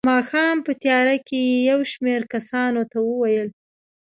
د ماښام په تیاره کې یې یو شمېر کسانو ته وویل.